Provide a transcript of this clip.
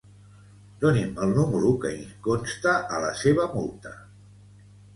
Doni'm el número que hi consta a la seva multa.